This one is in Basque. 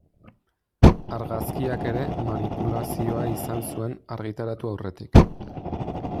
Argazkiak ere manipulazioa izan zuen argitaratu aurretik.